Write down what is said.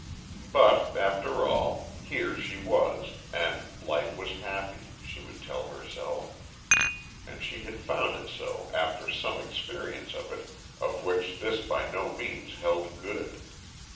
But, after all, here she was, and life was happy, she would tell herself; and she had found it so after some experience of it of which this by no means held good.